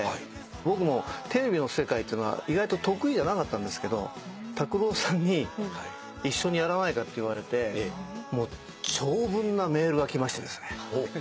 僕もテレビの世界っていうのは意外と得意じゃなかったんですけど拓郎さんに「一緒にやらないか？」って言われてもう長文なメールが来ましてですね